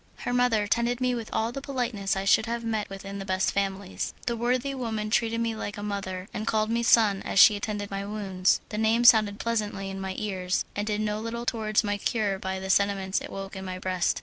Her mother tended me with all the politeness I should have met with in the best families. The worthy woman treated me like a mother, and called me "son" as she attended to my wounds. The name sounded pleasantly in my ears, and did no little towards my cure by the sentiments it awoke in my breast.